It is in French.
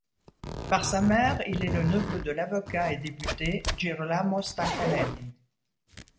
Par sa mère, il est le neveu de l'avocat et député Girolamo Stancanelli.